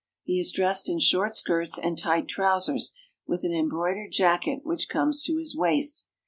He is dressed in short skirts and tight trousers, with an embroidered jacket which comes to his waist.